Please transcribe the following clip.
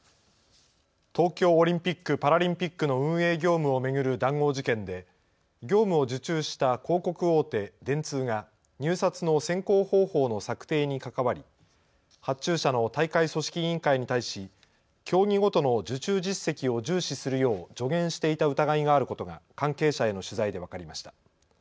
東京オリンピック・パラリンピックの運営業務を巡る談合事件で業務を受注した広告大手、電通が入札の選考方法の策定に関わり発注者の大会組織委員会に対し競技ごとの受注実績を重視するよう助言していた疑いがあることが関係者への取材で分かりました。